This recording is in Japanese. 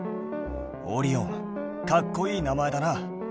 オリオンかっこいい名前だな。